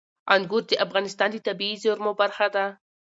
انګور د افغانستان د طبیعي زیرمو برخه ده.